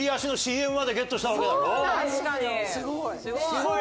すごい。